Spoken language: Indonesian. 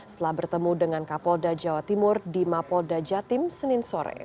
setelah bertemu dengan kapolda jawa timur di mapolda jatim senin sore